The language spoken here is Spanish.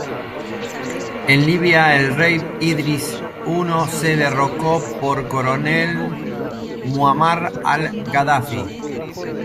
En Libia el Rey Idris I se derrocó por Coronel Muammar al-Gaddafi.